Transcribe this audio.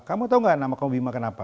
kamu tau nggak nama kamu bima kenapa